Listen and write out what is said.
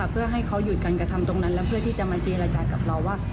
เพื่อให้เขาหยุดการกระทำตรงนั้นแล้วเพื่อที่จะมาเจรจากับเราว่า